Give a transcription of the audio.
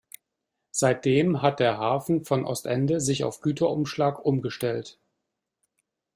Seitdem hat der Hafen von Ostende sich auf Güterumschlag umgestellt.